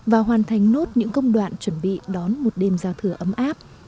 và hoàn thành nốt những công đoạn chuẩn bị đón một đêm giao thừa ấm áp